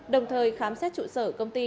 đồng thời khám xét trụ sở công ty